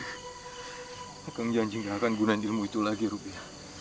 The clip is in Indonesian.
saya akan mencari kegunaan ilmu itu lagi rubia